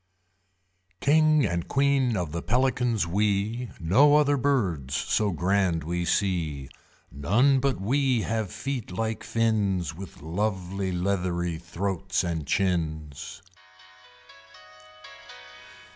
King and Queen of the Pelicans we; No other Birds so grand we see! None but we have feet like fins! With lovely leathery throats and chins!